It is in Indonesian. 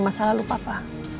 masalah lu papa